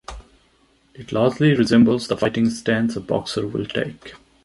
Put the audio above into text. It largely resembles the fighting stance a boxer will take.